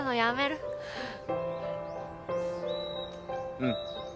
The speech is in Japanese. うん。